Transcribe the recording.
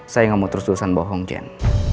saya gak mau terus lulusan bohong jen